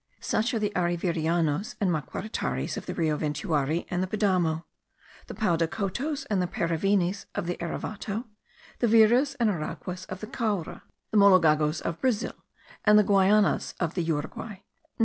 Such are the Arivirianos and Maquiritares of the Rio Ventuario and the Padamo, the Paudacotos and Paravenas of the Erevato, the Viras and Araguas of the Caura, the Mologagos of Brazil, and the Guayanas of the Uruguay.